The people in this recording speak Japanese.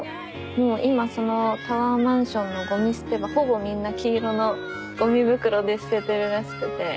もう今そのタワーマンションのゴミ捨て場ほぼみんな黄色のゴミ袋で捨ててるらしくて。